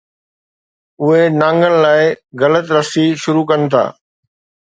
اهي نانگن لاءِ غلط رسي شروع ڪن ٿا.